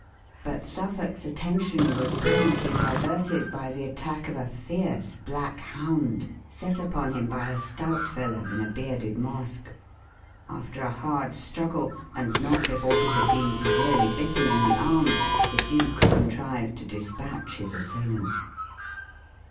But Suffolk's attention was presently diverted by the attack of a fierce black hound, set upon him by a stout fellow in a bearded mask. After a hard struggle, and not before he had been severely bitten in the arm, the duke contrived to despatch his assailant.